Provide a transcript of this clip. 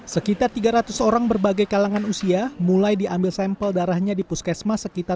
sekitar tiga ratus orang berbagai kalangan usia mulai diambil sampel darahnya di puskesmas sekitar